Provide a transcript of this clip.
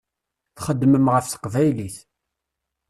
Txeddmem ɣef teqbaylit.